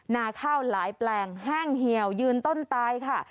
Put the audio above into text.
นาข้าวหลายแปลงแห้งเหี่ยวยืนต้นตายค่ะ